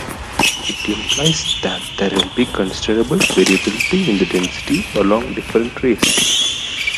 It implies that there will be considerable variability in the density along different rays.